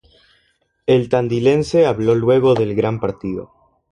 El tandilense habló luego del gran partido.